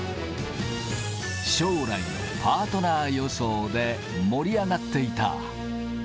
将来のパートナー予想で盛り上がっていた。